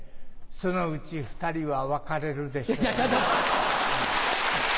そのうち２人は別れるでしょう。